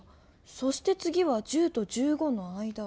そしてつぎは１０と１５の間。